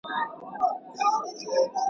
ښار کرار کړي له دې هري شپې یرغله.